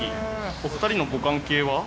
お２人のご関係は？